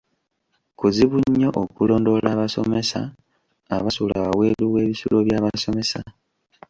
Kuzibu nnyo okulondoola abasomesa abasula wabweru w'ebisulo by'abasomesa.